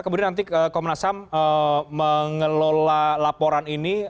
kemudian nanti komnas ham mengelola laporan ini